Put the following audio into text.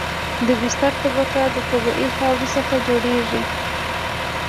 د بستر طبقه د طبیعي خاورې څخه جوړیږي